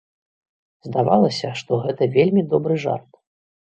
Здавалася, што гэта вельмі добры жарт.